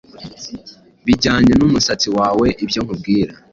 bijyanye n’umusatsi wawe ibyo nkubwira